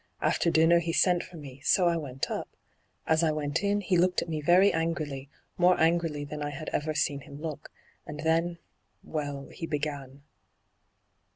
After. dinner he sent for me, so I went up. As I went in, he looked at me very angrily, more angrily than I had ever seen him look. And then — well, he began.